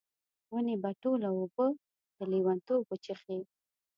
ونې به ټوله اوبه، د لیونتوب وچیښي